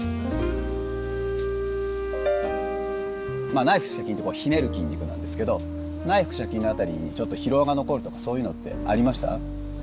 まあ内腹斜筋ってこうひねる筋肉なんですけど内腹斜筋の辺りにちょっと疲労が残るとかそういうのってありました？